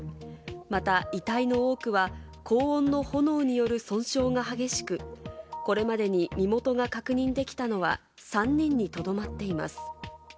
また遺体の多くは、高温の炎による損傷が激しく、これまでに身元が確認できたのは３人にとどまっています。